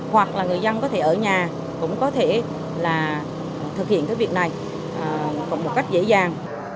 hoặc là người dân có thể ở nhà cũng có thể là thực hiện cái việc này một cách dễ dàng